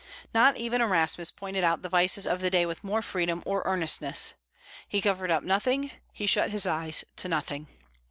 Not even Erasmus pointed out the vices of the day with more freedom or earnestness. He covered up nothing; he shut his eyes to nothing.